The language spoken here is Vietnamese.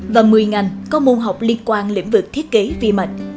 và một mươi ngành có môn học liên quan lĩnh vực thiết kế vi mạch